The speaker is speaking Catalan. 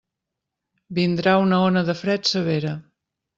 Vindrà una ona de fred severa.